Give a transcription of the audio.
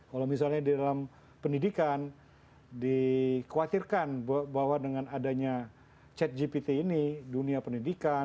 kalau misalnya di dalam pendidikan dikhawatirkan bahwa dengan adanya chat gpt ini dunia pendidikan